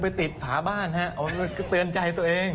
ไปติดฝาบ้านฮะเตือนใจตัวเอง